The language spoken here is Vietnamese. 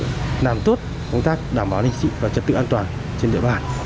để làm tốt công tác đảm bảo linh dị và trật tự an toàn trên địa bàn